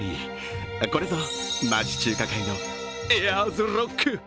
これぞ、町中華界のエアーズロック。